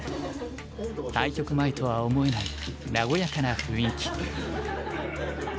対局前とは思えない和やかな雰囲気。